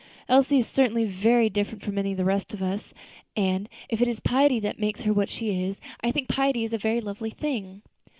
Elsie is certainly very different from any of the rest of us, and if it is piety that makes her what she is, I think piety is a very lovely thing."